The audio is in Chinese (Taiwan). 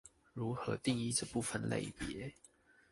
如何定義這部分類別